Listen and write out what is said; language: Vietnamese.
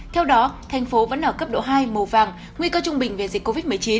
theo đó thành phố vẫn ở cấp độ hai màu vàng nguy cơ trung bình về dịch covid một mươi chín